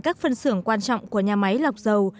các phân xưởng quan trọng của nhà máy lọc dầu